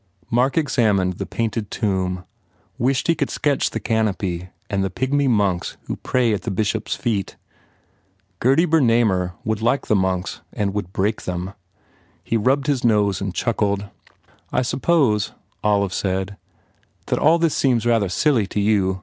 Mark examined the painted tomb, wished he could sketch the canopy and the pygmy monks who pray at the Bishop s feet. Gurdy Bernamer would like the monks and would break them. He rubbed his nose and chuckled. 32 HE PROGRESSES "I suppose," Olive said, "that all this seems rather silly to you.